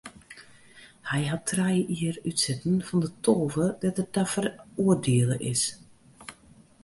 Hy hat trije jier útsitten fan de tolve dêr't er ta feroardiele is.